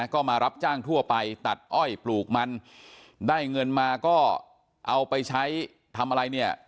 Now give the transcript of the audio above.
ก็มารับจ้างทั่วไปตัดอ้อยปลูกมันได้เงินมาก็เอาไปใช้ทำอะไรเนี่ย